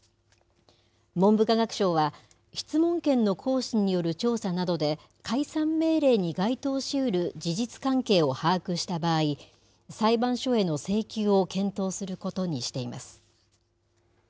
文部科学省は、質問権の行使による調査などで、解散命令に該当しうる事実関係を把握した場合、裁判所への請求をすることにしています。